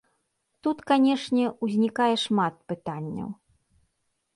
Тут, канечне, узнікае шмат пытанняў.